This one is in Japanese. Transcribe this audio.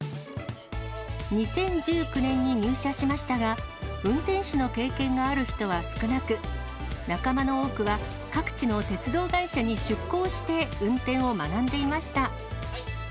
２０１９年に入社しましたが、運転士の経験がある人は少なく、仲間の多くは各地の鉄道会社に出向して運転を学んでいました。